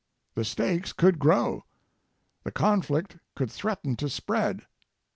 The stakes could grow; the conflict could threaten to spread.